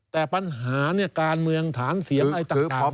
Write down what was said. แต่ปัญหานี่การเมืองฐานเสี่ยงไอต่าง